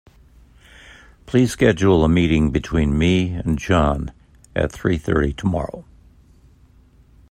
Please schedule a meeting between me and John at three thirty tomorrow.